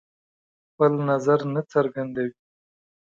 خپل نظر نه څرګندوي.